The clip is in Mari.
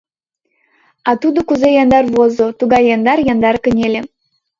А тудо кузе яндар возо — тугай яндар-яндар кынеле...